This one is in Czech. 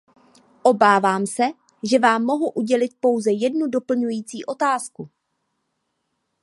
Obávám se, že vám mohu udělit pouze jednu doplňující otázku.